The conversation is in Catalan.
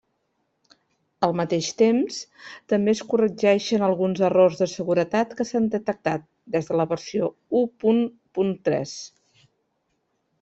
Al mateix temps, també es corregeixen alguns errors de seguretat que s'han detectat des de la versió u punt punt tres.